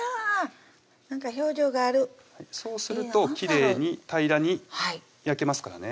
なんか表情があるそうするときれいに平らに焼けますからね